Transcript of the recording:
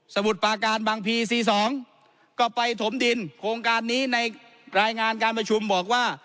มุดปาการบางพี๔๒ก็ไปถมดินโครงการนี้ในรายงานการประชุมบอกว่า